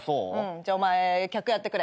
じゃあお前客やってくれ。